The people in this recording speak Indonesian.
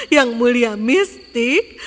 yang mulia mistik